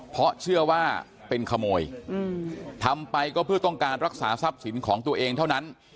เพราะเชื่อว่าเป็นขโมยทำไปก็เพื่อต้องการรักษาทรัพย์สินของตัวเองเท่านั้น